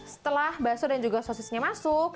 setelah bakso dan juga sosisnya masuk